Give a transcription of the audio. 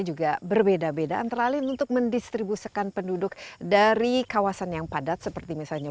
juga berbeda beda antara lain untuk mendistribusikan penduduk dari kawasan yang padat seperti misalnya